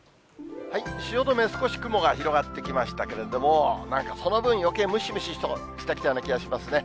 汐留、少し雲が広がってきましたけれども、なんかその分、よけいムシムシしてきたような気がしますね。